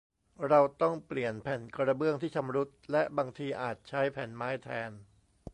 เราต้องเปลี่ยนแผ่นกระเบื้องที่ชำรุด และบางทีอาจใช้แผ่นไม้แทน